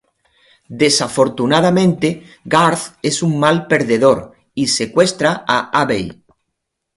Desafortunadamente, Garth es un mal perdedor y secuestra a Abby.